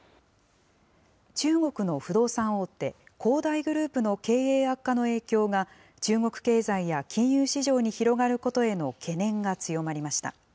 中国の不動産大手、恒大グループの経営悪化の影響が、中国経済や金融市場に広がることへの懸念が強まりました。